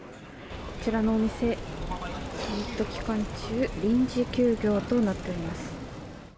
こちらのお店、サミット期間中臨時休業となっています。